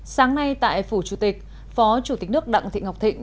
sáng nay tại phủ chủ tịch phó chủ tịch nước đặng thị ngọc thịnh